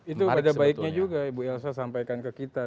itu pada baiknya juga ibu elsa sampaikan ke kita